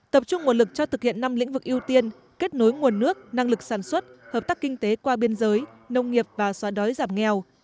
tập trung nguồn lực cho thực hiện năm lĩnh vực ưu tiên kết nối nguồn nước năng lực sản xuất hợp tác kinh tế qua biên giới nông nghiệp và xóa đói giảm nghèo